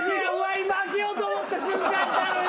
今開けようと思った瞬間やったのに！